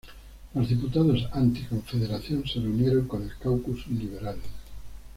Los diputados anti-confederación se reunieron con el caucus liberal.